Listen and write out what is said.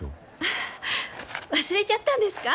ハハッ忘れちゃったんですか？